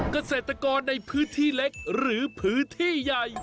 เกษตรกรในพื้นที่เล็กหรือพื้นที่ใหญ่